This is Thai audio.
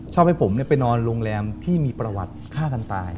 ให้ผมไปนอนโรงแรมที่มีประวัติฆ่ากันตาย